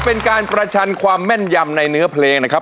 เป็นการประชันความแม่นยำในเนื้อเพลงนะครับ